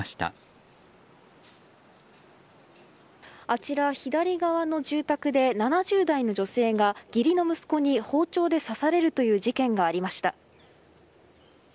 あちら、左側の住宅で７０代の女性が義理の息子に包丁で刺されるという事件がありました。